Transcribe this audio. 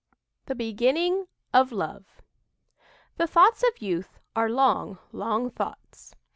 "THE BEGINNING OF LOVE" "The thoughts of youth are long, long thoughts."